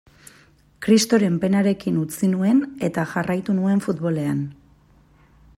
Kristoren penarekin utzi nuen, eta jarraitu nuen futbolean.